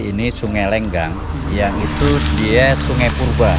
ini sungai lenggang yang itu dia sungai purba